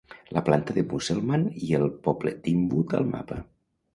la planta de Musselman i el poble d'Inwood al mapa.